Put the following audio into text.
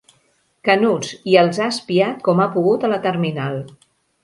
Canuts i els ha espiat com ha pogut a la terminal.